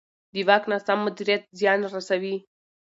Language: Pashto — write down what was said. د واک ناسم مدیریت زیان رسوي